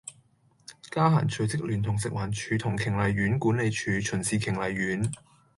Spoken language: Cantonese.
嘉嫻隨即聯同食環署同瓊麗苑管理處巡視瓊麗苑